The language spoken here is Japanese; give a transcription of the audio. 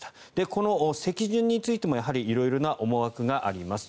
この席順についても色々な思惑があります。